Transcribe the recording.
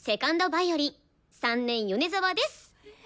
ヴァイオリン３年米沢でっす。